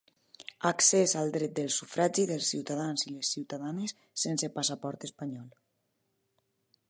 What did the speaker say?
Accés al dret de sufragi dels ciutadans i les ciutadanes sense passaport espanyol.